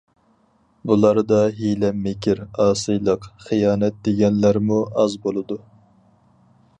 بۇلاردا ھىيلە-مىكىر، ئاسىيلىق، خىيانەت، دېگەنلەرمۇ ئاز بولىدۇ.